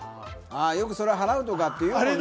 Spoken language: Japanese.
よくそれ払うとかいうよね。